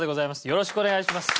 よろしくお願いします。